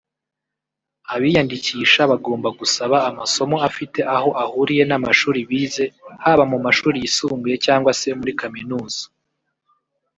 Abiyandikisha bagomba gusaba amasomo afite aho ahuriye n’amashuri bize haba mu mashuri yisumbuye cyangwa se muri Kaminuza